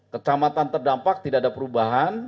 kecamatan terdampak tidak ada perubahan